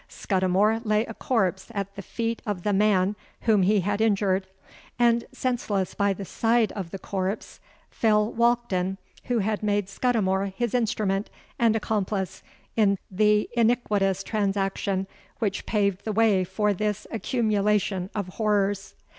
Scudimore lay a corpse at the feet of the man whom he had injured; and senseless by the side of the corpse, fell Walkden who had made Scudimore his instrument and accomplice in the iniquitous transaction which paved the way for this accumulation of horrors.